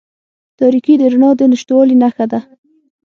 تاریکې د رڼا د نشتوالي نښه ده.